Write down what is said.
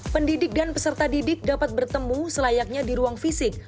pendidik dan peserta didik dapat bertemu selayaknya di ruang fisik